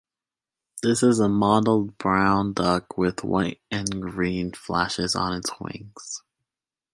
This is a mottled brown duck with white and green flashes on its wings.